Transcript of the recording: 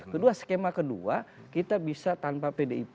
kedua skema kedua kita bisa tanpa pdip